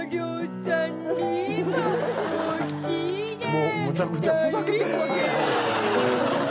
もうむちゃくちゃふざけてるだけ。